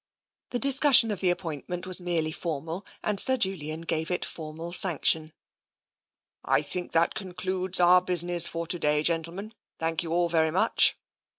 The discussion of the appointment was merely for mal, and Sir Julian gave it formal sanction. " I think that concludes our business for to day, gen tlemen. Thank you all very much."